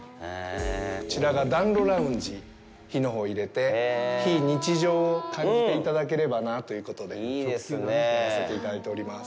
こちらが暖炉ラウンジ火のほう入れて、非日常を感じていただければなということでやらせていただいております。